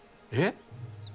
えっ？